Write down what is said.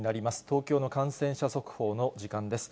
東京の感染者速報の時間です。